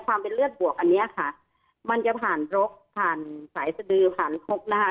ความเป็นเลือดบวกอันเนี้ยค่ะมันจะผ่านรกผ่านสายสดือผ่านคกนะคะ